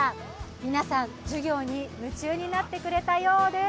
皆さん、授業に夢中になってくれたようです。